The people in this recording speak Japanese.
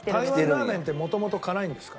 台湾ラーメンって元々辛いんですか？